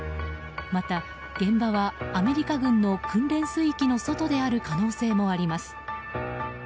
また、現場はアメリカ軍の訓練水域の外である可能性もあります。